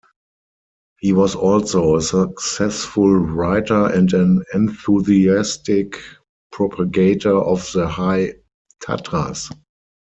He was also a successful writer and an enthusiastic propagator of the High Tatras.